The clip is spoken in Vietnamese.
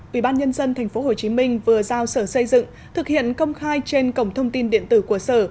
ubnd tp hcm vừa giao sở xây dựng thực hiện công khai trên cổng thông tin điện tử của sở